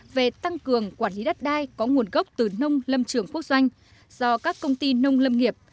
về tăng cường quản lý đất đai có nguồn gốc từ nông lâm trường quốc doanh do các công ty nông lâm nghiệp